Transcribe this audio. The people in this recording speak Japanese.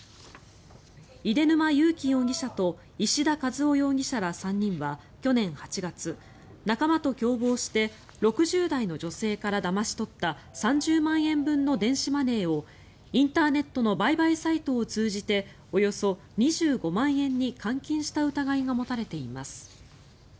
出沼悠己容疑者と石田一生容疑者ら３人は去年８月、仲間と共謀して６０代の女性からだまし取った３０万円分の電子マネーをインターネットの売買サイトを通じておよそ２５万円に換金した疑いが持たれています。